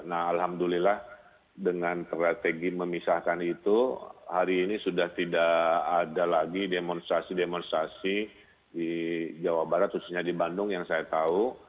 nah alhamdulillah dengan strategi memisahkan itu hari ini sudah tidak ada lagi demonstrasi demonstrasi di jawa barat khususnya di bandung yang saya tahu